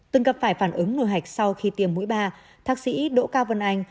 từng cặp phải phản ứng nồi hạch sau khi tiêm mũi ba thác sĩ đỗ cao vân anh